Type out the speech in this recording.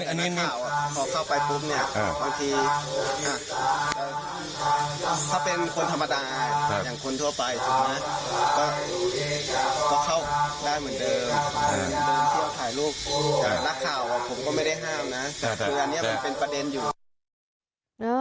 คืออันนี้มันเป็นประเด็นอยู่